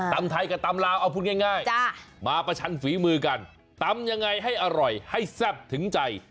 ตำไทยกับตำลาวเอาพูดง่ายมาประชันฝีมือกันตำยังไงให้อร่อยให้แซ่บถึงใจ